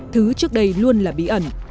thứ trước đây luôn là bí ẩn